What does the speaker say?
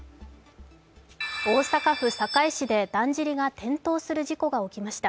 大阪府堺市でだんじりが転倒する事故が起きました。